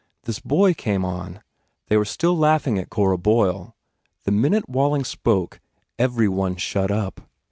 This boy came on. They were still laughing at Cora Boyle. The minute Walling spoke, every one shut up.